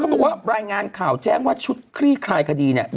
บอกว่ารายงานข่าวแจ้งว่าชุดคลี่คลายคดีเนี่ย